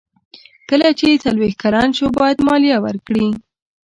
کله چې څلویښت کلن شو باید مالیه ورکړي.